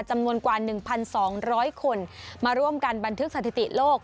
จำนวนกว่า๑๒๐๐คนมาร่วมกันบันทึกสถิติโลก